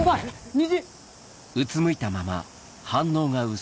虹！